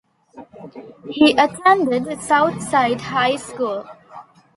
He attended South Side High School.